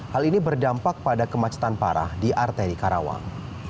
hal ini berdampak pada kemacetan parah di arteri karawang